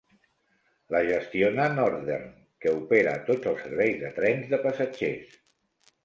La gestiona Northern, que opera tots els serveis de trens de passatgers.